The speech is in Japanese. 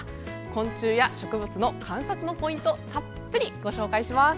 昆虫や植物の観察のポイントたっぷりご紹介します。